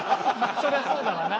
そりゃあそうだろうな。